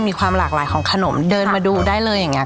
มีความหลากหลายของขนมเดินมาดูได้เลยอย่างนี้